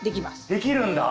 できるんだ！